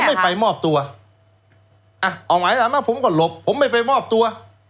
ไม่ไปมอบตัวอ่ะเอาหมายสารมาผมก็หลบผมไม่ไปมอบตัว